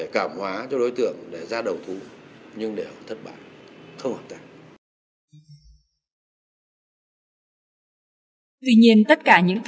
các đầu mối mua hàng